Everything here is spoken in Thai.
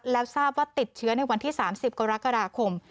แล้วทราบว่าติดเชื้อในวันที่๓๐กรกฎาคม